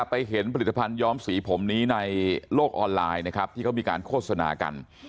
ไปเห็นผลิตภัณฑ์ย้อมสีผมนี้ในโลกออนไลน์นะครับที่เขามีการโฆษณากัน